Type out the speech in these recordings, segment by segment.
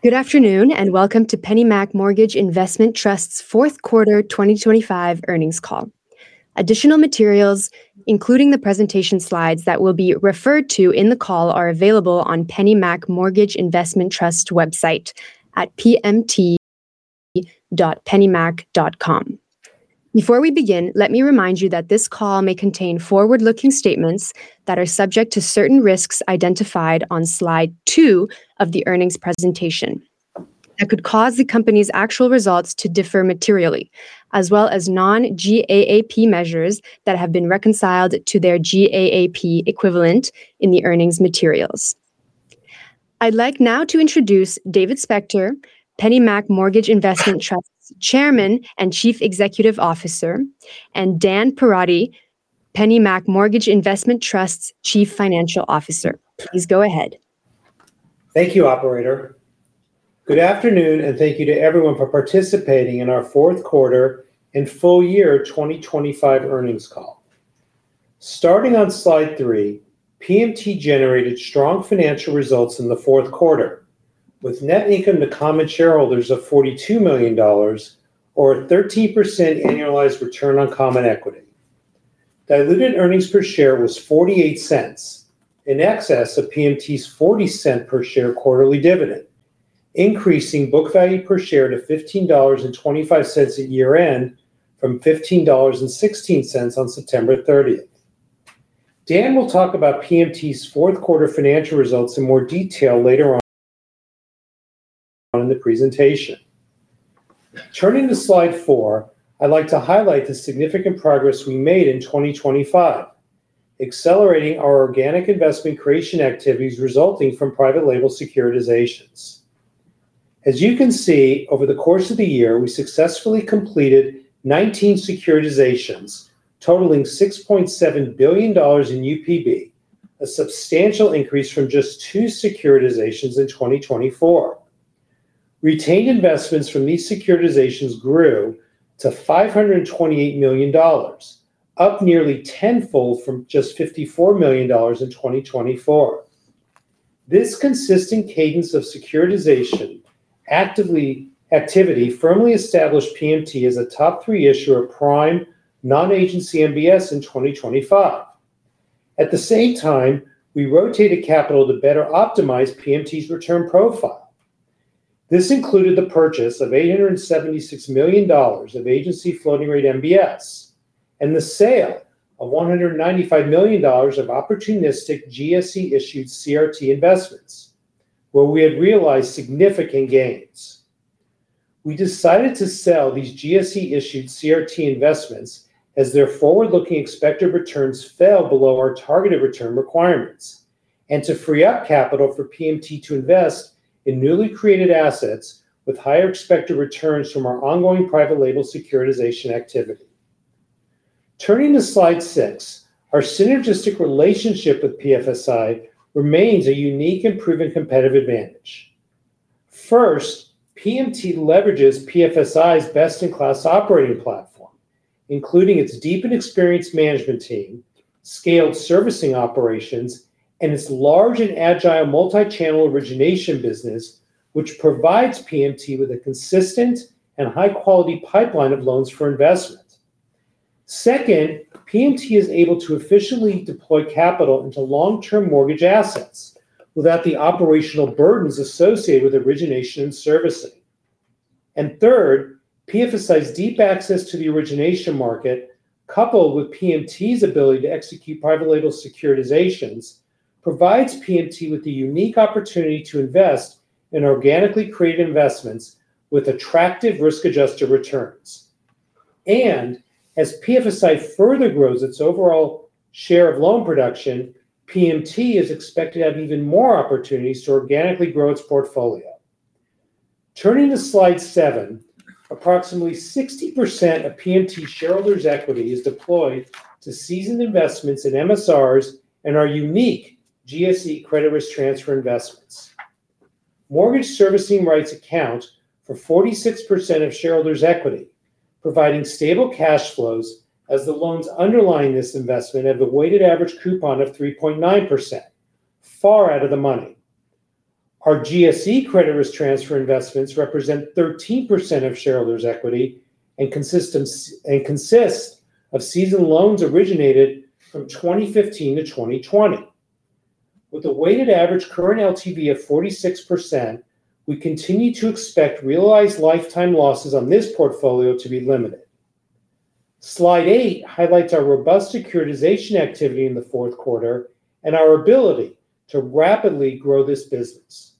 Good afternoon, and welcome to PennyMac Mortgage Investment Trust's fourth quarter 2025 earnings call. Additional materials, including the presentation slides that will be referred to in the call, are available on PennyMac Mortgage Investment Trust's website at pmt.pennymac.com. Before we begin, let me remind you that this call may contain forward-looking statements that are subject to certain risks identified on slide 2 of the earnings presentation that could cause the company's actual results to differ materially, as well as non-GAAP measures that have been reconciled to their GAAP equivalent in the earnings materials. I'd like now to introduce David Spector, PennyMac Mortgage Investment Trust's Chairman and Chief Executive Officer, and Dan Perotti, PennyMac Mortgage Investment Trust's Chief Financial Officer. Please go ahead. Thank you, operator. Good afternoon, and thank you to everyone for participating in our fourth quarter and full year 2025 earnings call. Starting on slide 3, PMT generated strong financial results in the fourth quarter, with net income to common shareholders of $42 million or a 13% annualized return on common equity. Diluted earnings per share was $0.48, in excess of PMT's $0.40 per share quarterly dividend, increasing book value per share to $15.25 at year-end from $15.16 on September thirtieth. Dan will talk about PMT's fourth quarter financial results in more detail later on in the presentation. Turning to slide 4, I'd like to highlight the significant progress we made in 2025, accelerating our organic investment creation activities resulting from private label securitizations. As you can see, over the course of the year, we successfully completed 19 securitizations, totaling $6.7 billion in UPB, a substantial increase from just 2 securitizations in 2024. Retained investments from these securitizations grew to $528 million, up nearly tenfold from just $54 million in 2024. This consistent cadence of securitization activity firmly established PMT as a top three issuer of prime non-Agency MBS in 2025. At the same time, we rotated capital to better optimize PMT's return profile. This included the purchase of $876 million of Agency floating rate MBS and the sale of $195 million of opportunistic GSE-issued CRT investments, where we had realized significant gains. We decided to sell these GSE-issued CRT investments as their forward-looking expected returns fell below our targeted return requirements and to free up capital for PMT to invest in newly created assets with higher expected returns from our ongoing private label securitization activity. Turning to slide six, our synergistic relationship with PFSI remains a unique and proven competitive advantage. First, PMT leverages PFSI's best-in-class operating platform, including its deep and experienced management team, scaled servicing operations, and its large and agile multi-channel origination business, which provides PMT with a consistent and high-quality pipeline of loans for investment. Second, PMT is able to efficiently deploy capital into long-term mortgage assets without the operational burdens associated with origination and servicing. And third, PFSI's deep access to the origination market, coupled with PMT's ability to execute private label securitizations, provides PMT with the unique opportunity to invest in organically created investments with attractive risk-adjusted returns. And as PFSI further grows its overall share of loan production, PMT is expected to have even more opportunities to organically grow its portfolio. Turning to slide 7, approximately 60% of PMT shareholders' equity is deployed to seasoned investments in MSRs and our unique GSE credit risk transfer investments. Mortgage servicing rights account for 46% of shareholders' equity, providing stable cash flows as the loans underlying this investment have a weighted average coupon of 3.9%, far out of the money. Our GSE credit risk transfer investments represent 13% of shareholders' equity and consist of seasoned loans originated from 2015 to 2020. With a weighted average current LTV of 46%, we continue to expect realized lifetime losses on this portfolio to be limited. Slide 8 highlights our robust securitization activity in the fourth quarter and our ability to rapidly grow this business.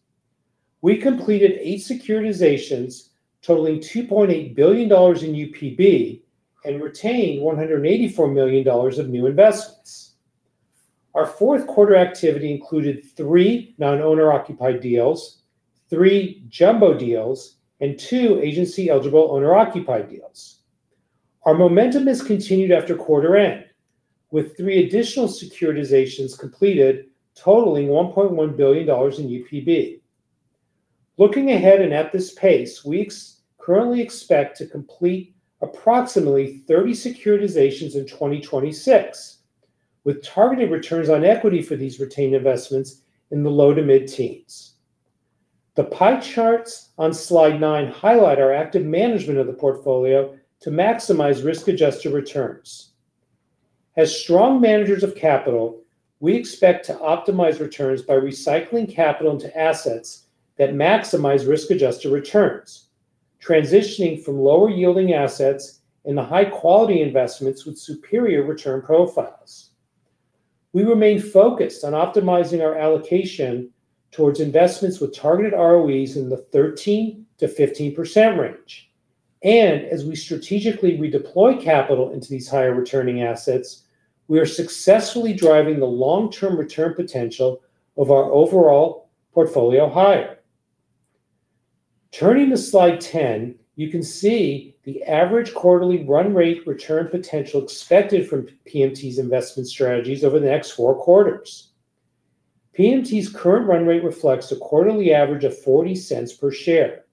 We completed 8 securitizations, totaling $2.8 billion in UPB and retained $184 million of new investments. Our fourth quarter activity included three non-owner-occupied deals, three jumbo deals, and two Agency-eligible owner-occupied deals. Our momentum has continued after quarter end, with three additional securitizations completed, totaling $1.1 billion in UPB. Looking ahead and at this pace, we currently expect to complete approximately 30 securitizations in 2026 with targeted returns on equity for these retained investments in the low to mid-teens. The pie charts on Slide 9 highlight our active management of the portfolio to maximize risk-adjusted returns. As strong managers of capital, we expect to optimize returns by recycling capital into assets that maximize risk-adjusted returns, transitioning from lower-yielding assets into high-quality investments with superior return profiles. We remain focused on optimizing our allocation towards investments with targeted ROEs in the 13%-15% range, and as we strategically redeploy capital into these higher-returning assets, we are successfully driving the long-term return potential of our overall portfolio higher. Turning to slide 10, you can see the average quarterly run rate return potential expected from PMT's investment strategies over the next four quarters. PMT's current run rate reflects a quarterly average of $0.40 per share,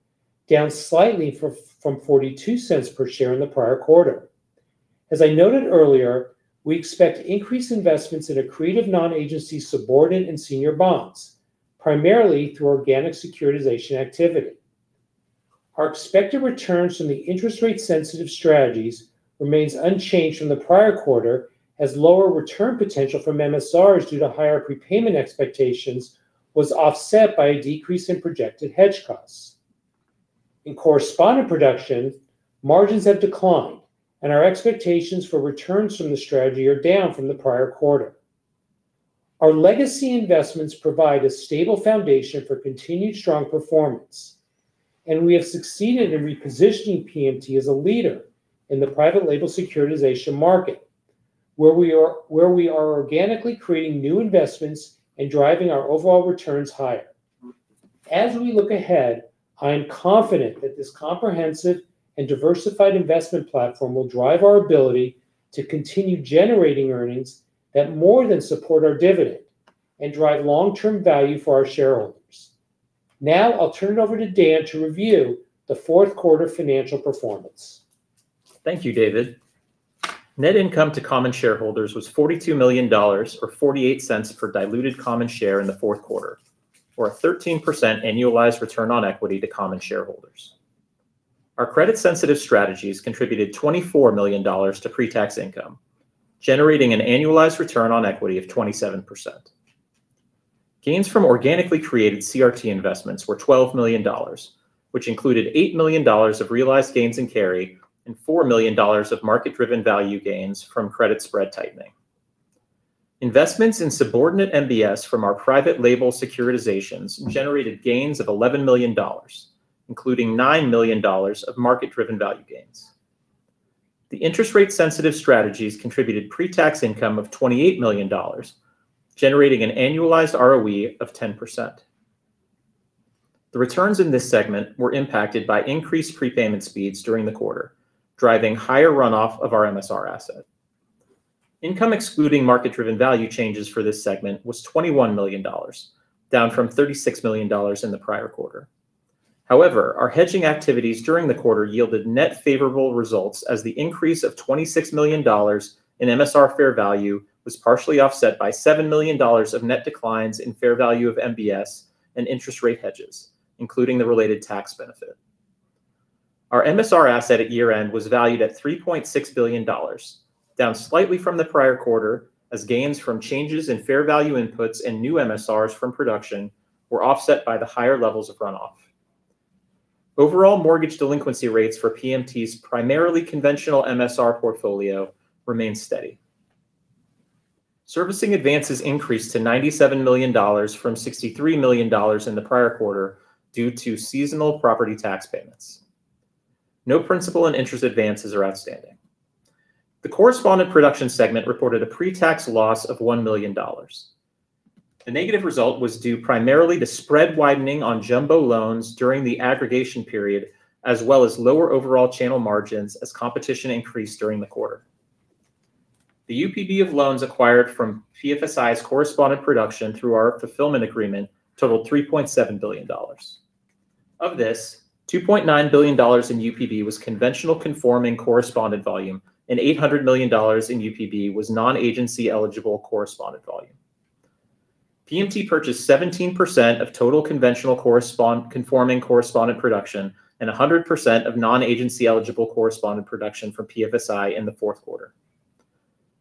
down slightly from $0.42 per share in the prior quarter. As I noted earlier, we expect increased investments in accretive non-Agency subordinate and senior bonds, primarily through organic securitization activity. Our expected returns from the interest rate-sensitive strategies remains unchanged from the prior quarter, as lower return potential from MSRs due to higher prepayment expectations was offset by a decrease in projected hedge costs. In correspondent production, margins have declined, and our expectations for returns from the strategy are down from the prior quarter. Our legacy investments provide a stable foundation for continued strong performance, and we have succeeded in repositioning PMT as a leader in the private label securitization market, where we are organically creating new investments and driving our overall returns higher. As we look ahead, I am confident that this comprehensive and diversified investment platform will drive our ability to continue generating earnings that more than support our dividend and drive long-term value for our shareholders. Now, I'll turn it over to Dan to review the fourth quarter financial performance. Thank you, David. Net income to common shareholders was $42 million, or $0.48 per diluted common share in the fourth quarter, for a 13% annualized return on equity to common shareholders. Our credit-sensitive strategies contributed $24 million to pre-tax income, generating an annualized return on equity of 27%. Gains from organically created CRT investments were $12 million, which included $8 million of realized gains in carry and $4 million of market-driven value gains from credit spread tightening. Investments in subordinate MBS from our private label securitizations generated gains of $11 million, including $9 million of market-driven value gains. The interest rate-sensitive strategies contributed pre-tax income of $28 million, generating an annualized ROE of 10%. The returns in this segment were impacted by increased prepayment speeds during the quarter, driving higher runoff of our MSR asset. Income excluding market-driven value changes for this segment was $21 million, down from $36 million in the prior quarter. However, our hedging activities during the quarter yielded net favorable results, as the increase of $26 million in MSR fair value was partially offset by $7 million of net declines in fair value of MBS and interest rate hedges, including the related tax benefit. Our MSR asset at year-end was valued at $3.6 billion, down slightly from the prior quarter, as gains from changes in fair value inputs and new MSRs from production were offset by the higher levels of runoff. Overall, mortgage delinquency rates for PMT's primarily conventional MSR portfolio remained steady. Servicing advances increased to $97 million from $63 million in the prior quarter due to seasonal property tax payments. No principal and interest advances are outstanding. The correspondent production segment reported a pre-tax loss of $1 million. The negative result was due primarily to spread widening on jumbo loans during the aggregation period, as well as lower overall channel margins as competition increased during the quarter. The UPB of loans acquired from PFSI's correspondent production through our fulfillment agreement totaled $3.7 billion. Of this, $2.9 billion in UPB was conventional conforming correspondent volume, and $800 million in UPB was non-Agency-eligible correspondent volume. PMT purchased 17% of total conventional conforming correspondent production and 100% of non-Agency-eligible correspondent production from PFSI in the fourth quarter.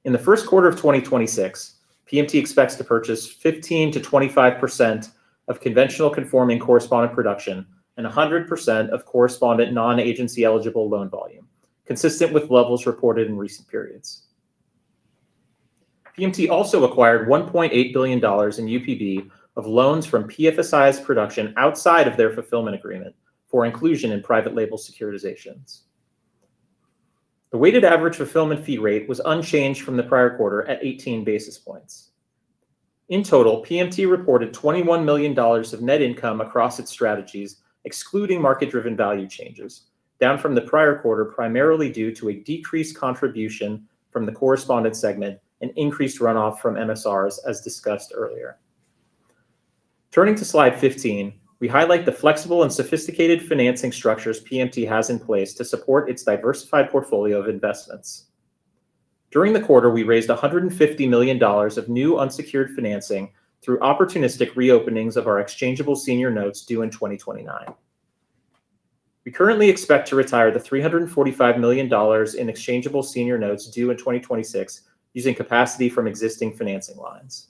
In the first quarter of 2026, PMT expects to purchase 15%-25% of conventional conforming correspondent production and 100% of correspondent non-Agency-eligible loan volume, consistent with levels reported in recent periods. PMT also acquired $1.8 billion in UPB of loans from PFSI's production outside of their fulfillment agreement for inclusion in private label securitizations. The weighted average fulfillment fee rate was unchanged from the prior quarter at 18 basis points. In total, PMT reported $21 million of net income across its strategies, excluding market-driven value changes, down from the prior quarter, primarily due to a decreased contribution from the correspondent segment and increased runoff from MSRs, as discussed earlier. Turning to Slide 15, we highlight the flexible and sophisticated financing structures PMT has in place to support its diversified portfolio of investments. During the quarter, we raised $150 million of new unsecured financing through opportunistic reopenings of our Exchangeable Senior Notes due in 2029. We currently expect to retire the $345 million in Exchangeable Senior Notes due in 2026, using capacity from existing financing lines.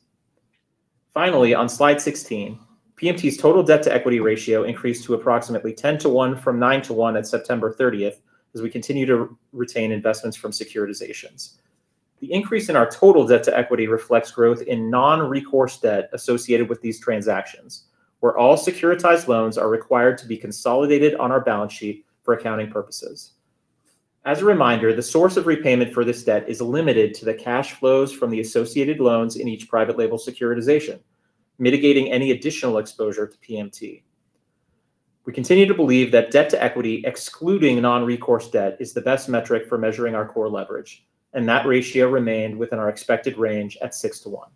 Finally, on Slide 16, PMT's total debt-to-equity ratio increased to approximately 10-to-1 from 9-to-1 at September 30, as we continue to retain investments from securitizations. The increase in our total debt-to-equity reflects growth in non-recourse debt associated with these transactions, where all securitized loans are required to be consolidated on our balance sheet for accounting purposes. As a reminder, the source of repayment for this debt is limited to the cash flows from the associated loans in each private label securitization, mitigating any additional exposure to PMT. We continue to believe that debt-to-equity, excluding non-recourse debt, is the best metric for measuring our core leverage, and that ratio remained within our expected range at 6-to-1.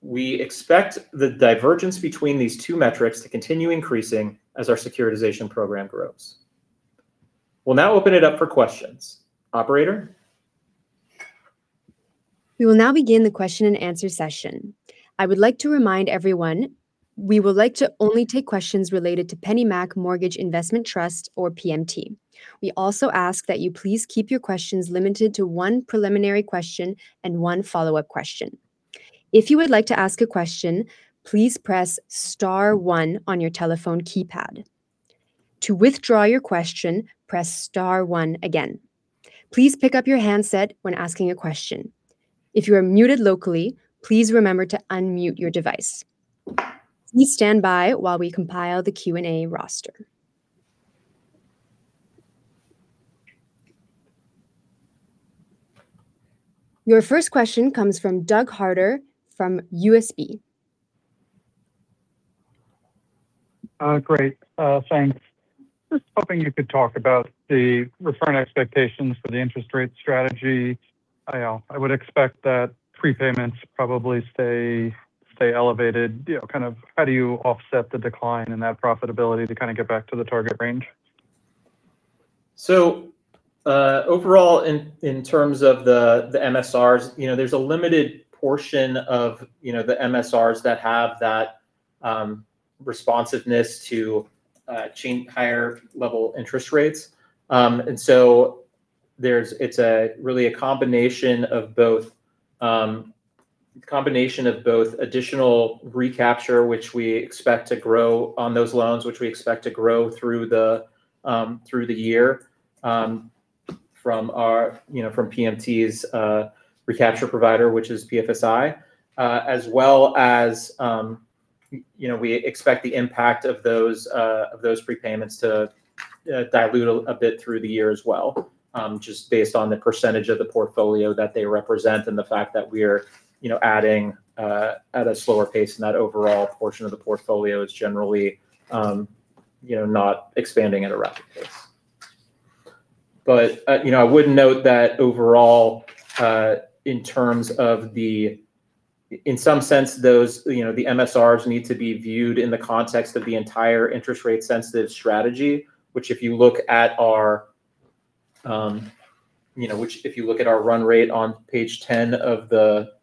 We expect the divergence between these two metrics to continue increasing as our securitization program grows. We'll now open it up for questions. Operator? We will now begin the question and answer session. I would like to remind everyone, we would like to only take questions related to PennyMac Mortgage Investment Trust or PMT. We also ask that you please keep your questions limited to one preliminary question and one follow-up question. If you would like to ask a question, please press star one on your telephone keypad. To withdraw your question, press star one again. Please pick up your handset when asking a question. If you are muted locally, please remember to unmute your device. Please stand by while we compile the Q&A roster. Your first question comes from Doug Harter from UBS. Great. Thanks. Just hoping you could talk about the return expectations for the interest rate strategy. I would expect that prepayments probably stay elevated. You know, kind of how do you offset the decline in that profitability to kind of get back to the target range? So, overall, in terms of the MSRs, you know, there's a limited portion of, you know, the MSRs that have that responsiveness to change higher-level interest rates. And so it's really a combination of both additional recapture, which we expect to grow on those loans through the year from PMT's recapture provider, which is PFSI. As well as, you know, we expect the impact of those prepayments to dilute a bit through the year as well, just based on the percentage of the portfolio that they represent and the fact that we're, you know, adding at a slower pace than that overall portion of the portfolio is generally, you know, not expanding at a rapid pace. But, you know, I would note that overall, in terms of the... In some sense, those, you know, the MSRs need to be viewed in the context of the entire interest rate sensitive strategy, which if you look at our, you know, which if you look at our run rate on page 10 of the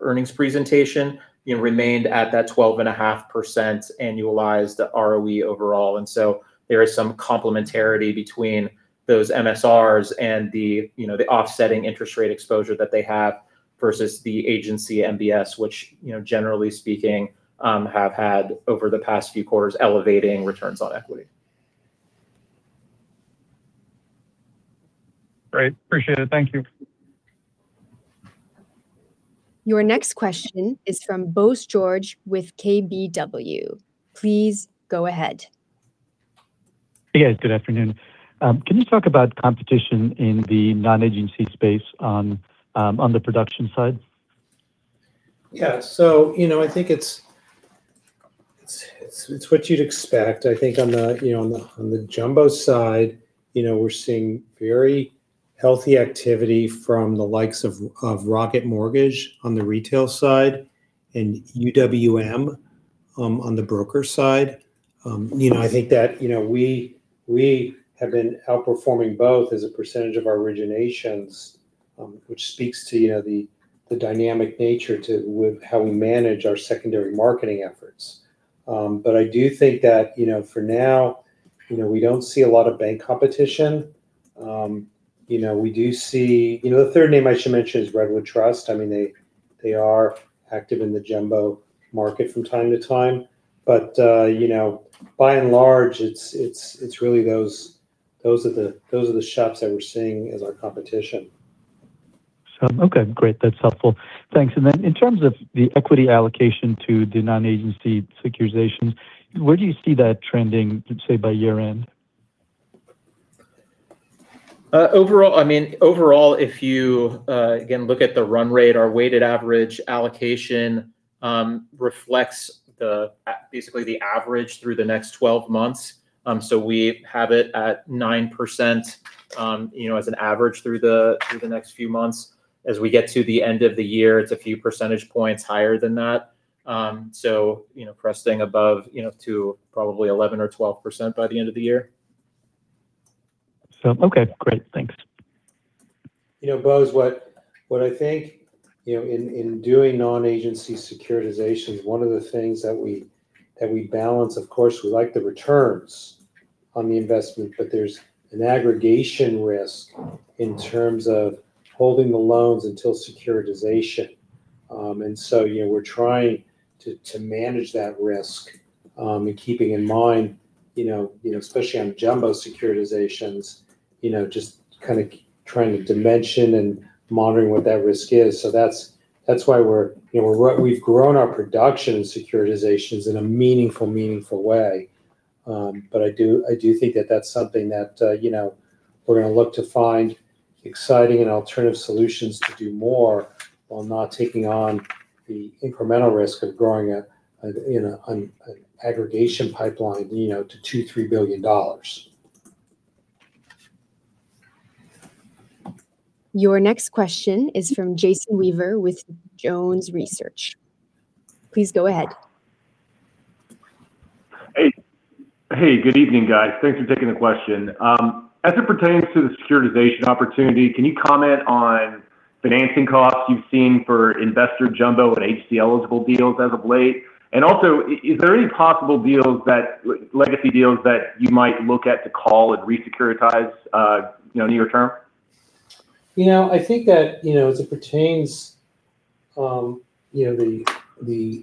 earnings presentation, you know, remained at that 12.5% annualized ROE overall. So there is some complementarity between those MSRs and the, you know, the offsetting interest rate exposure that they have versus the Agency MBS, which, you know, generally speaking, have had over the past few quarters, elevating returns on equity. Great. Appreciate it. Thank you. Your next question is from Bose George with KBW. Please go ahead. Hey, guys. Good afternoon. Can you talk about competition in the non-Agency space on the production side? Yeah. So, you know, I think it's what you'd expect. I think on the jumbo side, you know, we're seeing very healthy activity from the likes of Rocket Mortgage on the retail side and UWM on the broker side. You know, I think that we have been outperforming both as a percentage of our originations, which speaks to the dynamic nature to with how we manage our secondary marketing efforts. But I do think that, you know, for now, we don't see a lot of bank competition. You know, we do see the third name I should mention is Redwood Trust. I mean, they are active in the jumbo market from time to time. You know, by and large, it's really those shops that we're seeing as our competition. So, okay, great! That's helpful. Thanks. And then in terms of the equity allocation to the non-Agency securitization, where do you see that trending, let's say, by year-end? Overall, I mean, overall, if you, again, look at the run rate, our weighted average allocation reflects the, basically the average through the next 12 months. So we have it at 9%, you know, as an average through the, through the next few months. As we get to the end of the year, it's a few percentage points higher than that. So, you know, pressing above, you know, to probably 11 or 12% by the end of the year. Okay, great. Thanks. You know, Bose, what I think, you know, in doing non-Agency securitization, one of the things that we balance, of course, we like the returns on the investment, but there's an aggregation risk in terms of holding the loans until securitization. And so, you know, we're trying to manage that risk, and keeping in mind, you know, you know, especially on jumbo securitizations, you know, just kind of trying to dimension and monitoring what that risk is. So that's why we're, you know, we've grown our production in securitizations in a meaningful way. But I do, I do think that that's something that, you know, we're going to look to find exciting and alternative solutions to do more, while not taking on the incremental risk of growing an aggregation pipeline, you know, to $2 billion-$3 billion. Your next question is from Jason Weaver with Jones Research. Please go ahead. Hey, hey, good evening, guys. Thanks for taking the question. As it pertains to the securitization opportunity, can you comment on financing costs you've seen for investor jumbo and Agency-eligible deals as of late? And also, is there any possible legacy deals that you might look at to call and re-securitize, you know, near term? You know, I think that, you know, as it pertains, you know,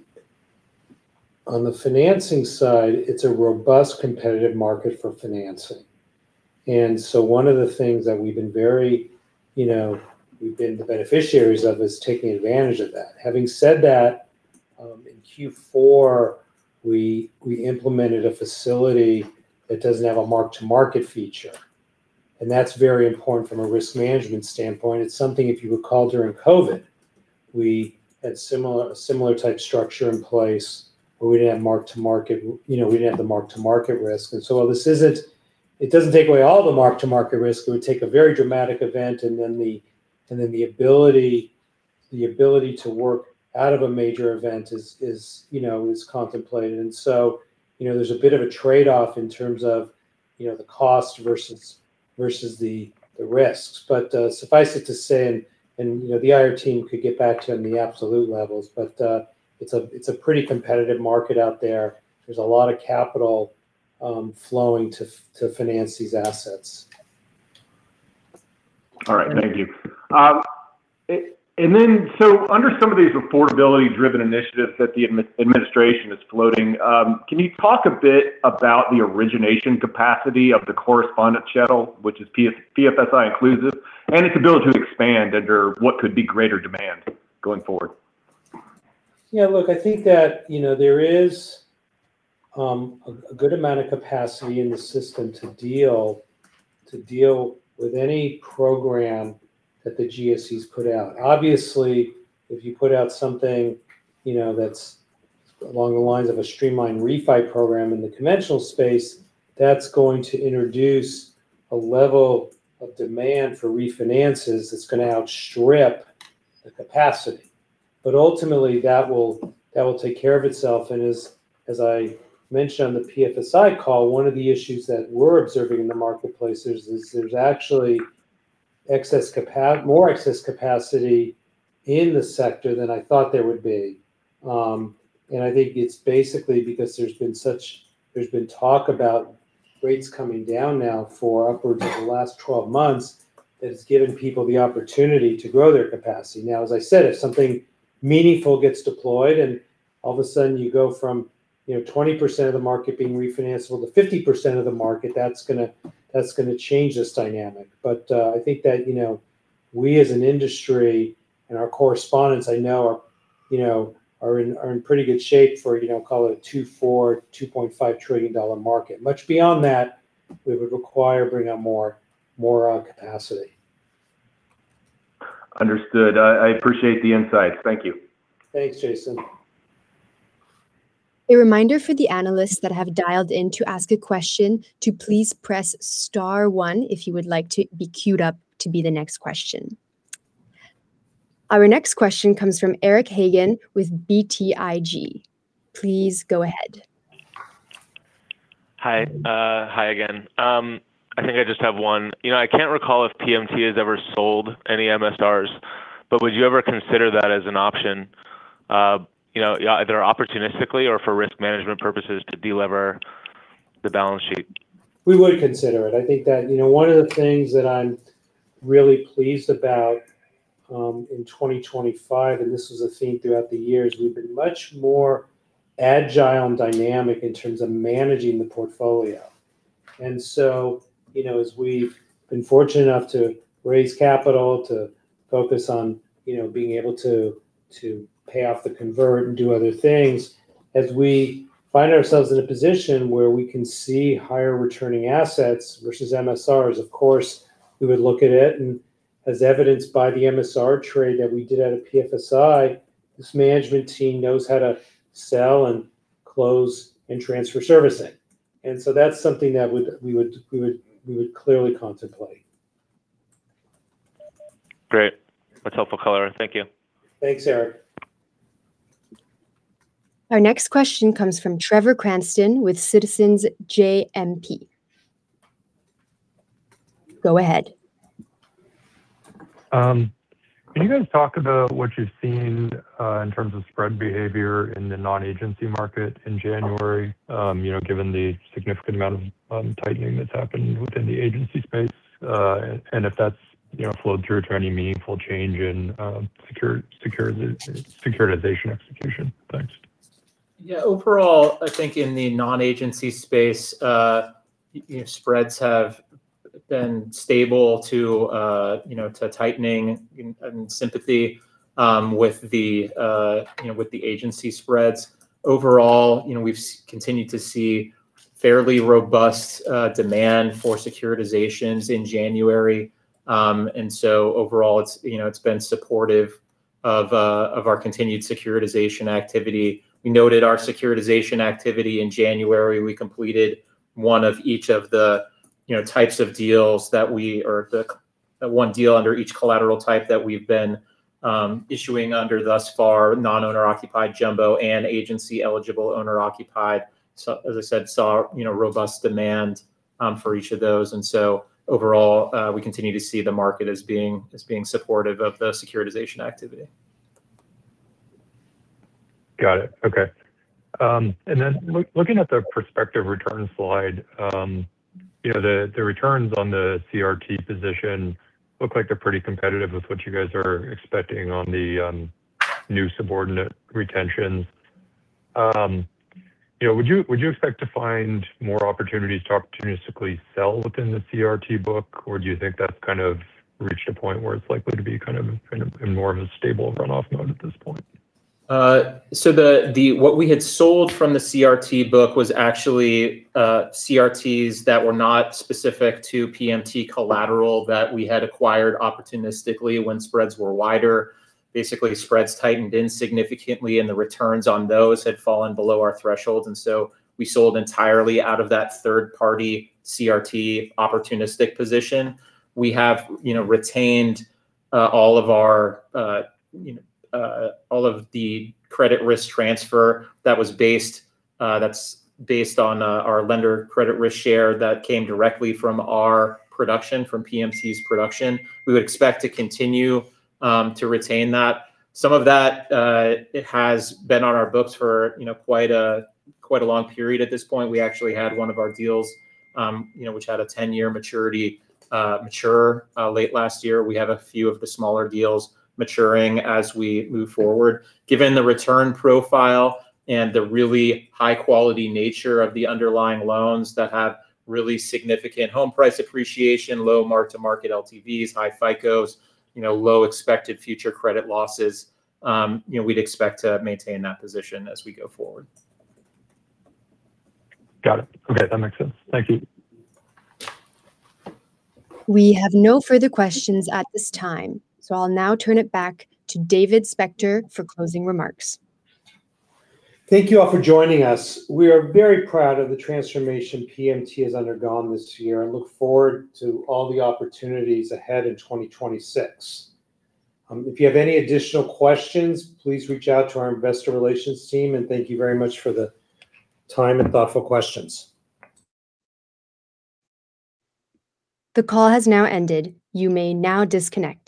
on the financing side, it's a robust, competitive market for financing. And so one of the things that we've been very, you know, we've been the beneficiaries of, is taking advantage of that. Having said that, in Q4, we implemented a facility that doesn't have a mark-to-market feature, and that's very important from a risk management standpoint. It's something, if you recall, during COVID, we had a similar type structure in place, but we didn't have mark-to-market, you know, we didn't have the mark-to-market risk. And so while this isn't, it doesn't take away all the mark-to-market risk, it would take a very dramatic event, and then the ability to work out of a major event is, you know, contemplated. And so, you know, there's a bit of a trade-off in terms of, you know, the cost versus the risks. But, suffice it to say, you know, the IR team could get back to you on the absolute levels, but, it's a pretty competitive market out there. There's a lot of capital flowing to finance these assets. All right. Thank you. And then, so under some of these affordability-driven initiatives that the administration is floating, can you talk a bit about the origination capacity of the correspondent channel, which is PFSI inclusive, and its ability to expand under what could be greater demand going forward? Yeah, look, I think that, you know, there is a good amount of capacity in the system to deal with any program that the GSEs put out. Obviously, if you put out something, you know, that's along the lines of a streamlined refi program in the conventional space, that's going to introduce a level of demand for refinances that's going to outstrip the capacity. But ultimately, that will take care of itself. And as I mentioned on the PFSI call, one of the issues that we're observing in the marketplace is there's actually more excess capacity in the sector than I thought there would be. And I think it's basically because there's been talk about rates coming down now for upwards of the last 12 months, that it's given people the opportunity to grow their capacity. Now, as I said, if something meaningful gets deployed and all of a sudden you go from, you know, 20% of the market being refinanced to 50% of the market, that's gonna, that's gonna change this dynamic. But, I think that, you know, we as an industry and our correspondents, I know are, you know, are in, are in pretty good shape for, you know, call it a $2.4-$2.5 trillion market. Much beyond that, we would require bringing on more, more, capacity. Understood. I appreciate the insight. Thank you. Thanks, Jason. A reminder for the analysts that have dialed in to ask a question, to please press star one if you would like to be queued up to be the next question. Our next question comes from Eric Hagen with BTIG. Please go ahead. Hi. Hi again. I think I just have one. You know, I can't recall if PMT has ever sold any MSRs, but would you ever consider that as an option, you know, either opportunistically or for risk management purposes to delever the balance sheet? We would consider it. I think that, you know, one of the things that I'm really pleased about, in 2025, and this was a theme throughout the years, we've been much more agile and dynamic in terms of managing the portfolio. And so, you know, as we've been fortunate enough to raise capital, to focus on, you know, being able to, to pay off the convert and do other things, as we find ourselves in a position where we can see higher returning assets versus MSRs, of course, we would look at it, as evidenced by the MSR trade that we did out of PFSI, this management team knows how to sell and close and transfer servicing. And so that's something that we would clearly contemplate. Great. That's helpful color. Thank you. Thanks, Eric. Our next question comes from Trevor Cranston with Citizens JMP. Go ahead. Can you guys talk about what you've seen in terms of spread behavior in the non-Agency market in January? You know, given the significant amount of tightening that's happened within the Agency space, and if that's, you know, flowed through to any meaningful change in securitization execution. Thanks. Yeah. Overall, I think in the non-Agency space, you know, spreads have been stable to, you know, to tightening in, sympathy, with the, you know, with the Agency spreads. Overall, you know, we've continued to see fairly robust, demand for securitizations in January. And so overall, it's, you know, it's been supportive of, of our continued securitization activity. We noted our securitization activity in January. We completed one of each of the, you know, types of deals that we or the one deal under each collateral type that we've been, issuing under thus far, non-owner occupied jumbo and Agency-eligible owner occupied. So as I said, you know, robust demand, for each of those, and so overall, we continue to see the market as being, as being supportive of the securitization activity. Got it. Okay. And then looking at the prospective return slide, you know, the returns on the CRT position look like they're pretty competitive with what you guys are expecting on the new subordinate retentions. You know, would you expect to find more opportunities to opportunistically sell within the CRT book, or do you think that's kind of reached a point where it's likely to be kind of in more of a stable run-off mode at this point? So what we had sold from the CRT book was actually CRTs that were not specific to PMT collateral that we had acquired opportunistically when spreads were wider. Basically, spreads tightened insignificantly, and the returns on those had fallen below our threshold, and so we sold entirely out of that third-party CRT opportunistic position. We have, you know, retained all of the credit risk transfer that's based on our lender credit risk share that came directly from our production, from PMT's production. We would expect to continue to retain that. Some of that it has been on our books for, you know, quite a long period at this point. We actually had one of our deals, you know, which had a 10-year maturity, mature late last year. We have a few of the smaller deals maturing as we move forward. Given the return profile and the really high-quality nature of the underlying loans that have really significant home price appreciation, low mark-to-market LTVs, high FICOs, you know, low expected future credit losses, you know, we'd expect to maintain that position as we go forward. Got it. Okay, that makes sense. Thank you. We have no further questions at this time, so I'll now turn it back to David Spector for closing remarks. Thank you all for joining us. We are very proud of the transformation PMT has undergone this year and look forward to all the opportunities ahead in 2026. If you have any additional questions, please reach out to our Investor Relations team, and thank you very much for the time and thoughtful questions. The call has now ended. You may now disconnect.